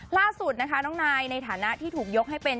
ล่าสุดนะคะน้องนายในฐานะที่ถูกยกให้เป็น